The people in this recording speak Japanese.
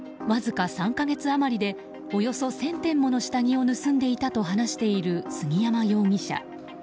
わずか３か月余りでおよそ１０００点もの下着を盗んでいたと話している杉山容疑者。